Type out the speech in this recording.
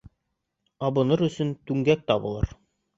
Абыныр өсөн түңгәк табылыр.